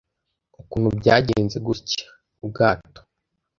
Ukuntu byagenze gutya. Ubwato